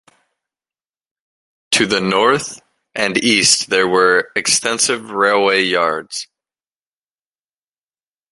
To the north and east there were extensive railway yards.